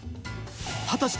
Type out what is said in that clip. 果たして